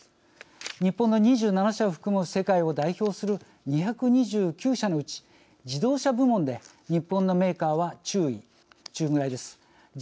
日本の２７社を含む世界を代表する２２９社のうち日本の企業は自動車部門で日本のメーカーは中位。